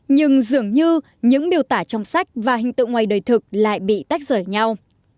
nhưng dường như những miêu tả trong sách và hình tượng ngoài đời thực lại bị tách rời nhau